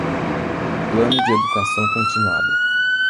Plano de educação continuada.